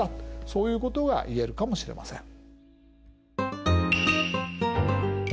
そういうことが言えるかもしれません。